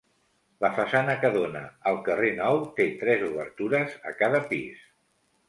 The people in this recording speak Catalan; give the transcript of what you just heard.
La façana que dóna al carrer Nou, té tres obertures a cada pis.